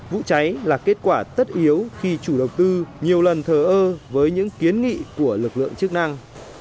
vụ cháy là kết quả tất yếu khi chủ đầu tư nhiều lần thờ ơ với những kiến nghị của lực lượng chức năng